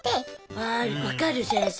わあわかる先生。